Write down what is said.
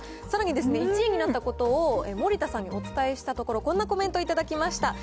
さらにですね、１位になったことを盛田さんにお伝えしたところ、こんなコメントを頂きました。